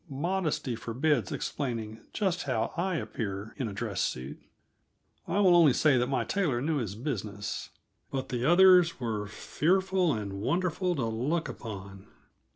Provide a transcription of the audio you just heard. Modesty forbids explaining just how I appear in a dress suit. I will only say that my tailor knew his business but the others were fearful and wonderful to look upon.